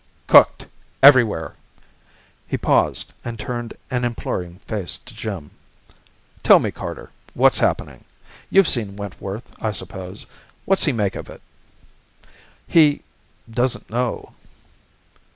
"Cooked, everywhere!" He paused, and turned an imploring face to Jim. "Tell me, Carter what's happening? You've seen Wentworth, I suppose. What's he make of it?" "He doesn't know."